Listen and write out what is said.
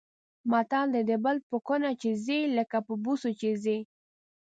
متل دی: د بل په کونه چې ځي لکه په بوسو چې ځي.